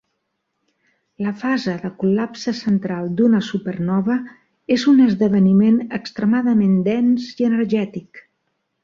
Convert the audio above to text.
La fase de col·lapse central d'una supernova és un esdeveniment extremadament dens i energètic.